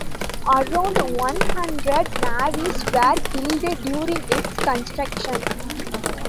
Around one hundred navvies were killed during its construction.